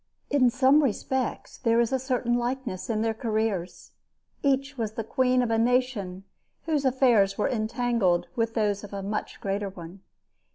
In some respects there is a certain likeness in their careers. Each was queen of a nation whose affairs were entangled with those of a much greater one.